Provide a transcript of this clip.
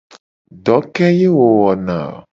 Do ke ye wo wona a o?